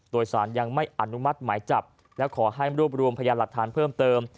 โดยสารยังไม่อนุมัติหมายจับและขอให้รวบรวมพยานหลักฐานเพิ่มเติม